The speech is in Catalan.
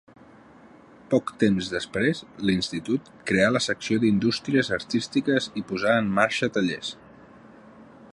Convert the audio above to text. Poc temps després, l'Institut creà la secció d'Indústries artístiques i posà en marxa tallers.